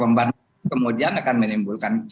pembanding kemudian akan menimbulkan